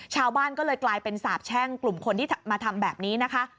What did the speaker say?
ชาวบ้านก็เลยกลายเป็นสาบแช่งกลุ่มคนที่มาทำแบบนี้นะคะ